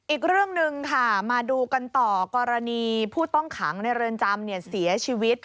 อีกเรื่องหนึ่งค่ะมาดูกันต่อกรณีผู้ต้องขังในเรือนจำเสียชีวิต